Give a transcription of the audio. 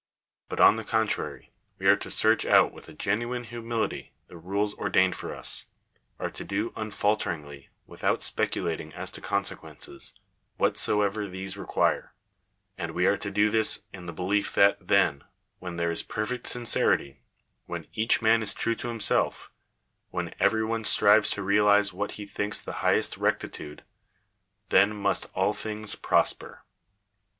But, on the contrary, we are to search out with a genuine humility the rules ordained for us— are to do unfalteringly, without specu lating as to consequences, whatsoever these require; and we are to do this in the belief that then, when there is perfect sincerity — when each man is true to himself — when every one strives to realize what he thinks the highest rectitude — then must all things prosper.